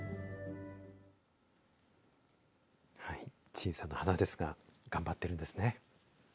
小さな花ですが頑張ってるんですね。